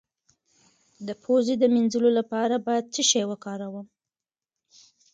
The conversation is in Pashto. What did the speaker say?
د پوزې د مینځلو لپاره باید څه شی وکاروم؟